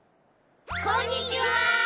こんにちは！